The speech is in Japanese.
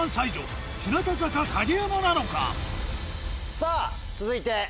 さぁ続いて。